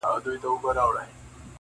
له فرعون سره وزیر نوم یې هامان وو -